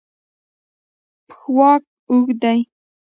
پښواک اوږد دی.